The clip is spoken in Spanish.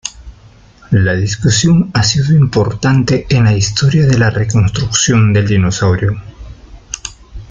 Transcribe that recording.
La discusión ha sido importante en la historia de la reconstrucción del dinosaurio.